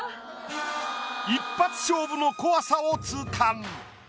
一発勝負の怖さを痛感。